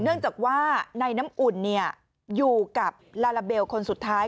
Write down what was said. เนื่องจากว่าในน้ำอุ่นอยู่กับลาลาเบลคนสุดท้าย